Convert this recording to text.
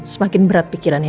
semakin berat pikirannya